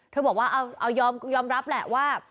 เธอบอกว่ายอมรับแหละว่า